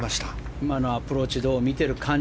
今のアプローチを見ている感じ